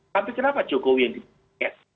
tapi kenapa jokowi yang di tiket